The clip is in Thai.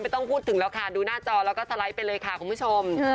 ต้องพูดถึงแล้วค่ะดูหน้าจอแล้วก็สไลด์ไปเลยค่ะคุณผู้ชม